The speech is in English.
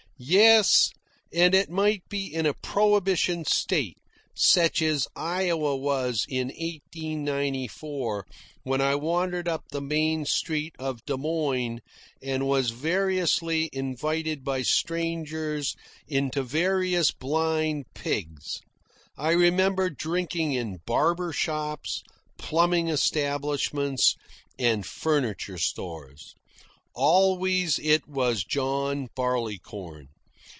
Yes; and it might be in a prohibition state, such as Iowa was in 1894, when I wandered up the main street of Des Moines and was variously invited by strangers into various blind pigs I remember drinking in barber shops, plumbing establishments, and furniture stores. Always it was John Barleycorn.